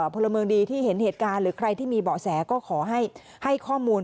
พลเมืองดีที่เห็นเหตุการณ์หรือใครที่มีเบาะแสก็ขอให้ข้อมูล